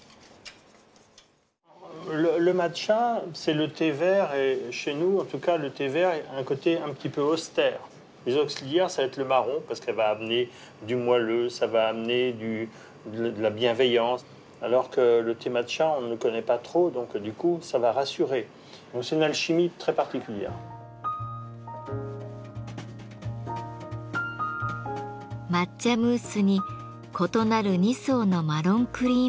抹茶ムースに異なる二層のマロンクリームが寄り添います。